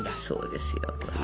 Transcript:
そうですよ。